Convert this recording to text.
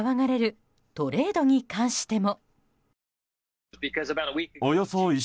大谷の周囲で騒がれるトレードに関しても。